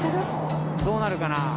どうなるかな？